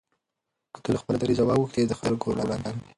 که ته له خپل دریځه واوښتې د خلکو پر وړاندې